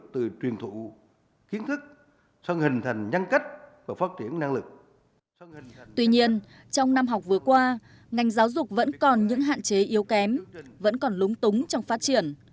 tuy nhiên trong năm học vừa qua ngành giáo dục vẫn còn những hạn chế yếu kém vẫn còn lúng túng trong phát triển